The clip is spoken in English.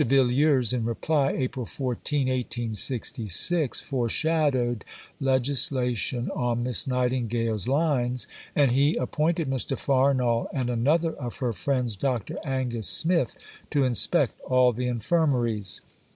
Villiers in reply (April 14, 1866) foreshadowed legislation on Miss Nightingale's lines, and he appointed Mr. Farnall and another of her friends, Dr. Angus Smith, to inspect all the Infirmaries.